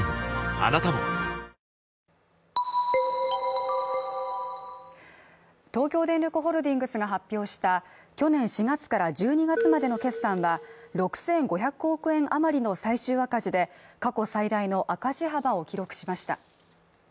あなたも東京電力ホールディングスが発表した去年４月から１２月までの決算は６５００万円余りの最終赤字で過去最大の赤字幅を記録しました。